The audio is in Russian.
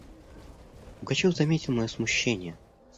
Пугачев заметил мое смущение.